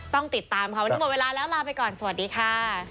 ต้องติดตามค่ะวันนี้หมดเวลาแล้วลาไปก่อนสวัสดีค่ะ